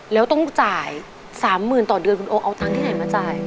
แล้วต้องจ่าย๓๐๐๐ต่อเดือนคุณโอเอาตังค์ที่ไหนมาจ่าย